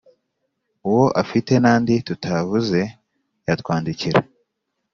Uwaba afite n’andi tutavuze yatwandikira